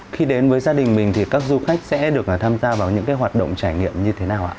khi đến với gia đình mình thì các du khách sẽ được tham gia vào những hoạt động trải nghiệm như thế nào ạ